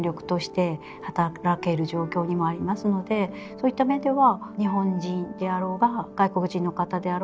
そういった面では。